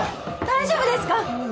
大丈夫ですか？